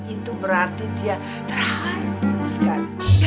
itu berarti dia terharu sekali